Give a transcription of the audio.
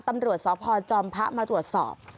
ตำรวจสพจอมพระมาตรวจสอบ